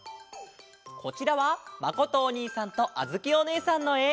こちらはまことおにいさんとあづきおねえさんのえ。